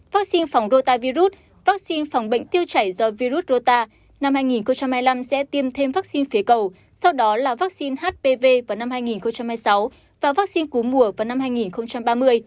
vaccine phòng rota virus vaccine phòng bệnh tiêu chảy do virus rota năm hai nghìn hai mươi năm sẽ tiêm thêm vaccine phế cầu sau đó là vaccine hpv vào năm hai nghìn hai mươi sáu và vaccine cú mùa vào năm hai nghìn ba mươi